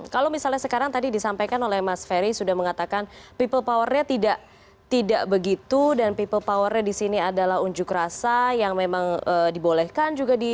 kalau misalnya sekarang tadi disampaikan oleh mas ferry sudah mengatakan people power nya tidak begitu dan people power nya disini adalah unjuk rasa yang memang dibolehkan juga di